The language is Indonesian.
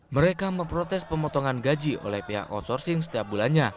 mereka memprotes pemotongan gaji oleh pihak outsourcing setiap bulannya